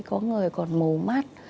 có người còn mồ mắt